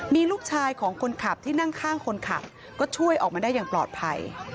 มีลูกชายของคนขับที่นั่งข้างคนขับก็ช่วยออกมาได้อย่างปลอดภัย